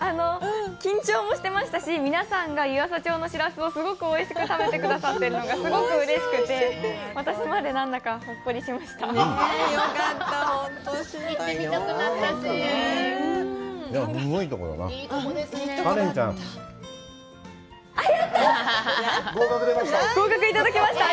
緊張もしてましたし、皆さんが湯浅町のしらすをすごくおいしく食べてくださっているのがすごくうれしくて、私までなんだかほっこりしました。